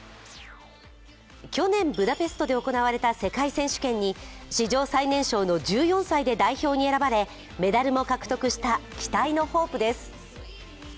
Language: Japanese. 去年、ブダペストで行われた世界選手権に史上最年少の１４歳で代表に選ばれメダルも獲得した期待のホープです。